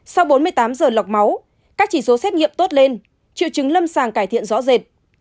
sau bốn mươi tám giờ lọc máu các chỉ số xét nghiệm tốt lên triệu chứng lâm sàng cải thiện rõ rệt